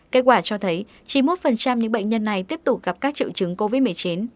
kết quả cho thấy chín mươi một những bệnh nhân này tiếp tục gặp các triệu chứng covid một mươi chín